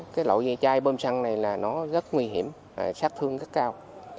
cái loại chai bơm xăng này rất nguy hiểm sát thương rất cao